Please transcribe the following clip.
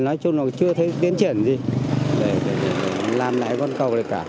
nói chung là chưa thấy tiến triển gì để làm lại con cầu được cả